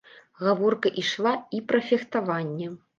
Гаворка ішла і пра фехтаванне.